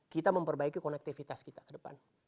kita memperbaiki konektivitas kita ke depan